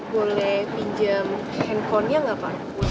boleh pinjam handcon nya gak pak